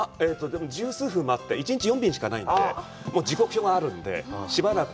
十数分待って、１日４便しかないので、時刻表があるので、しばらく。